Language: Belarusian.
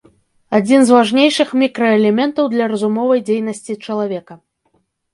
Адзін з важнейшых мікраэлементаў для разумовай дзейнасці чалавека.